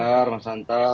kamhar mas hanta